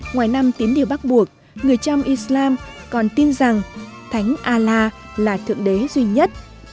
ngoài năm tín điều bắt buộc người chăm islam còn tin rằng thánh a la là thượng đế duy nhất